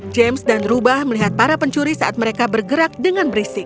james dan rubah melihat para pencuri saat mereka bergerak dengan berisik